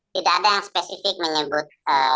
tidak ada yang spesifik menyebut